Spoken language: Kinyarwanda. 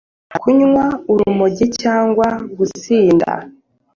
kunywa urumogi cyangwa gusinda,